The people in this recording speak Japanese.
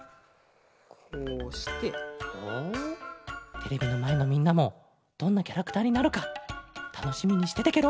テレビのまえのみんなもどんなキャラクターになるかたのしみにしててケロ。